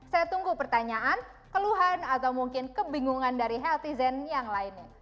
saya tunggu pertanyaan keluhan atau mungkin kebingungan dari healthy zen yang lainnya